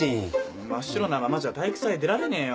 真っ白なままじゃ体育祭に出られねえよ。